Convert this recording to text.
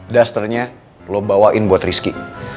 dusternya lo bawain buat rizky